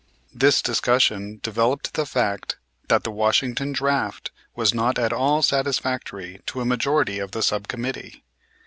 This discussion developed the fact that the Washington draft was not at all satisfactory to a majority of the sub committee.